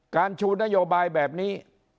ชูนโยบายแบบนี้